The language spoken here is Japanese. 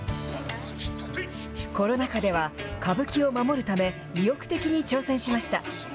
コロナ禍では、歌舞伎を守るため、意欲的に挑戦しました。